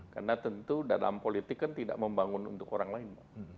karena tentu dalam politik kan tidak membangun untuk orang lain